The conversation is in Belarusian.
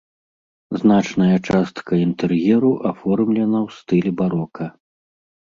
Значная частка інтэр'еру аформлена ў стылі барока.